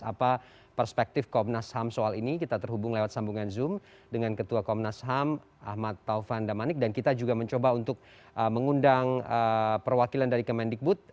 apa perspektif komnas ham soal ini kita terhubung lewat sambungan zoom dengan ketua komnas ham ahmad taufan damanik dan kita juga mencoba untuk mengundang perwakilan dari kemendikbud